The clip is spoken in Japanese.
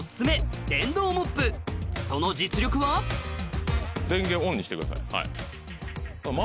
奇麗好きの電源オンにしてください。